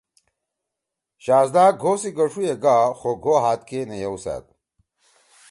شہزَدا گھو سی گݜُو ئے گا خو گھو ہات کے نے یِؤسأد۔